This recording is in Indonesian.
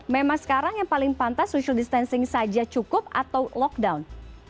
memang sekarang yang paling pantas social distancing saja cukup atau lockdown